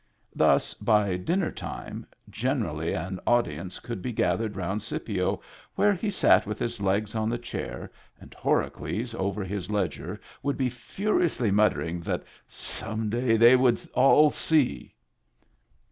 Thus by dinner time generally an audience would be gathered round Scipio where he sat with his legs on the chair, and Horacles over his ledger would be furiously muttering that " Some day they would all see."